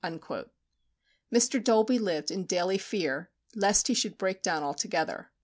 Mr. Dolby lived in daily fear lest he should break down altogether.